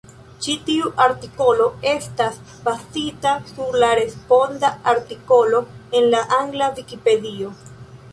Ĉi tiu artikolo estas bazita sur la responda artikolo en la angla Vikipedio.